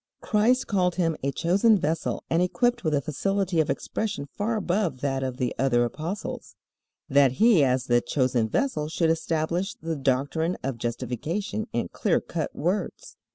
Christ called him a chosen vessel and equipped with a facility of expression far above that of the other apostles, that he as the chosen vessel should establish the doctrine of justification in clear cut words.